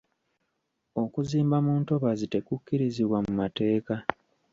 Okuzimba mu ntobazi tekukkirizibwa mu mateeka.